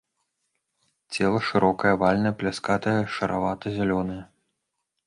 Цела шырокае, авальнае, пляскатае, шаравата-зялёнае.